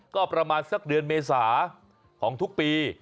ก็ประมาณสักเดือนเมษาของทุกปี